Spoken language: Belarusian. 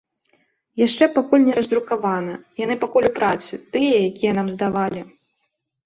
Яшчэ пакуль не раздрукавана, яны пакуль у працы, тыя, якія нам здавалі.